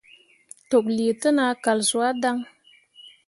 Toklǝǝah te nah kal suah dan.